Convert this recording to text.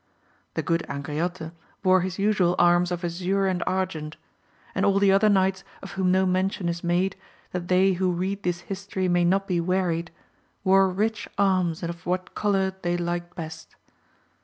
The good Angriote bore his usual arms of azure and argent ; and all the other knights of whom no mention is made, that they who read this history may not be wearied, wore rich arms and of what colour they liked best.